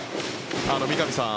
三上さん